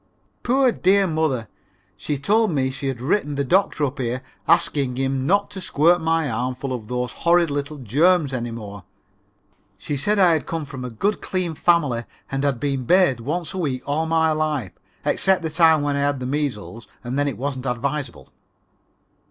Poor, dear mother, she told me she had written the doctor up here asking him not to squirt my arm full of those horrid little germs any more. She said I came from a good, clean family, and had been bathed once a week all my life, except the time when I had the measles and then it wasn't advisable.